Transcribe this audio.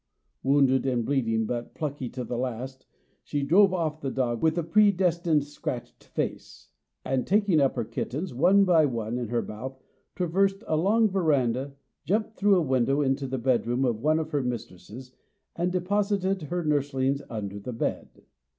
Wounded and bleeding, but plucky to the last, she drove off the dog with a "predestined scratched face," and, taking up her kittens one by one in her mouth, traversed a long veranda, jumped through a window into the bed room of one of her mistresses, and deposited her nurslings under the bed.